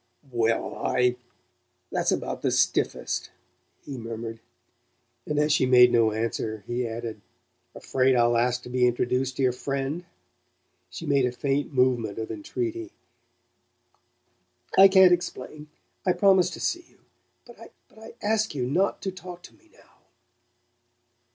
"Well, I That's about the stiffest," he murmured; and as she made no answer he added: "Afraid I'll ask to be introduced to your friend?" She made a faint movement of entreaty. "I can't explain. I promise to see you; but I ASK you not to talk to me now."